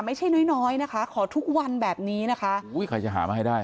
ไม่ใช่น้อยน้อยนะคะขอทุกวันแบบนี้นะคะอุ้ยใครจะหามาให้ได้